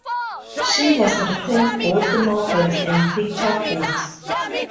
She has written both novels and picture books.